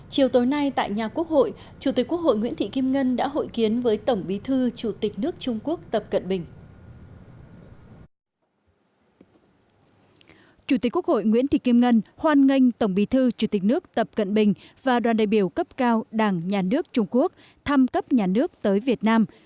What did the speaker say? chiều tối nay tại nhà quốc hội chủ tịch quốc hội nguyễn thị kim ngân đã hội kiến với tổng bí thư chủ tịch nước trung quốc tập cận bình